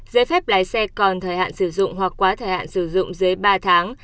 giấy phép lái xe còn thời hạn sử dụng hoặc quá thời hạn sử dụng dưới ba tháng